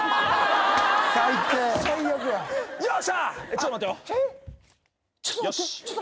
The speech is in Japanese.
ちょっと待てよ。